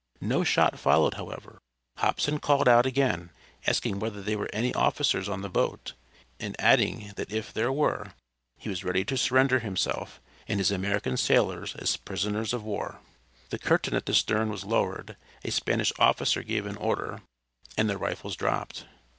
No shot followed, however. Hobson called out again, asking whether there were any officers on the boat, and adding that if there were he was ready to surrender himself and his American sailors as prisoners of war. The curtain at the stern was lowered, a Spanish officer gave an order, and the rifles dropped.